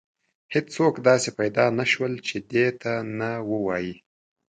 هیڅوک داسې پیدا نه شول چې دې ته نه ووایي.